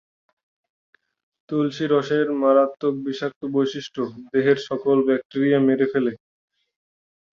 তুলসী রসের মারাত্মক বিষাক্ত বৈশিষ্ট দেহের সকল ব্যাকটেরিয়া মেরে ফেলে।